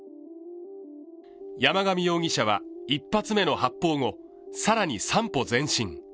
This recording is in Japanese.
山上容疑者は、１発目の発砲後、更に３歩前進。